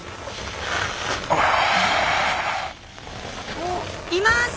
・おおいます！